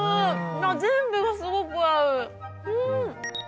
全部がすごく合う！